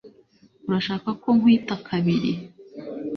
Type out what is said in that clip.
Urashaka ko nkwita kabari?